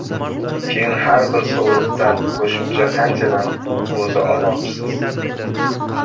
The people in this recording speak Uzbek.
Keyin, har bir sovliqdan qo‘shimcha qanchadan qo‘zi olmoqchisiz?